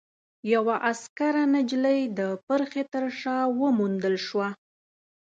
يوه عسکره نجلۍ د پرښې تر شا وموندل شوه.